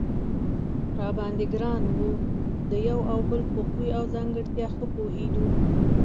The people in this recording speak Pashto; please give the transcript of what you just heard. را باندې ګران و، د یو او بل په خوی او ځانګړتیا ښه پوهېدو.